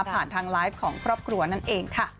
ทางไลฟ์ของครอบครัวนั่นเองค่ะ